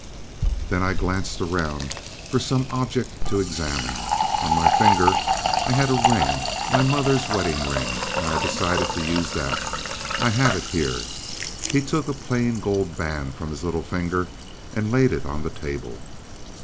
"Then I glanced around for some object to examine. On my finger I had a ring, my mother's wedding ring, and I decided to use that. I have it here." He took a plain gold band from his little finger and laid it on the table.